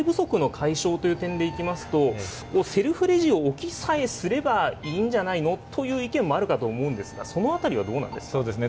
ただ、人手不足の解消という点でいきますと、セルフレジを置きさえすればいいんじゃないの？という意見もあるかと思うんですが、そうですね。